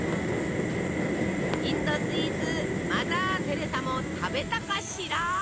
インドスイーツマザー・テレサも食べたかしら！